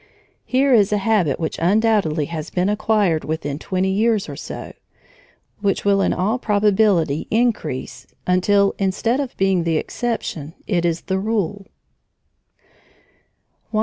Here is a habit which undoubtedly has been acquired within twenty years or so, which will in all probability increase until instead of being the exception it is the rule.